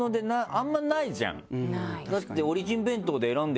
だって。